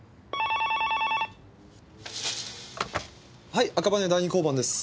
はい赤羽第二交番です。